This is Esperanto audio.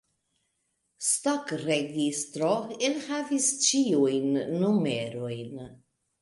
Stokregistro enhavis ĉiujn numerojn.